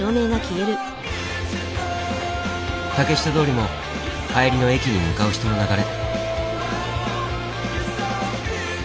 竹下通りも帰りの駅に向かう人の流れ。